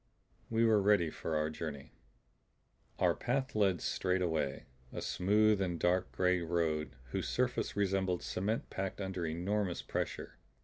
We were ready for our journey. Our path led straight away, a smooth and dark gray road whose surface resembled cement packed under enormous pressure.